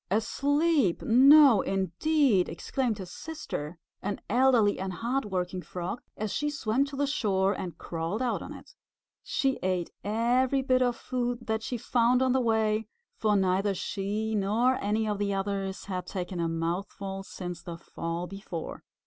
"Asleep! No indeed!" exclaimed his sister, an elderly and hard working Frog, as she swam to the shore and crawled out on it. She ate every bit of food that she found on the way, for neither she nor any of the others had taken a mouthful since the fall before.